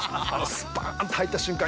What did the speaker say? スパーンと入った瞬間